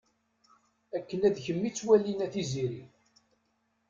Akken ad kem-id-ttwalin a Tiziri.